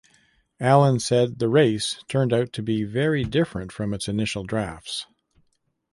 Allan said "The Race" turned out to be very different from its initial drafts.